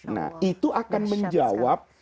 nah itu akan menjawab